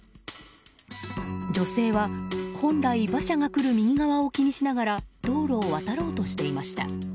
女性は、本来馬車が来る右側を気にしながら道路を渡ろうとしていました。